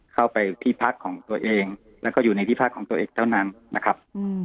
เข้าไปที่พักของตัวเองแล้วก็อยู่ในที่พักของตัวเองเท่านั้นนะครับ